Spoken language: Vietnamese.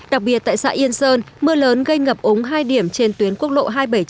đặc biệt tại xã yên sơn mưa lớn gây ngập ống hai điểm trên tuyến quốc lộ hai trăm bảy mươi chín